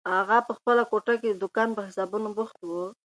اغا په خپله کوټه کې د دوکان په حسابونو بوخت و.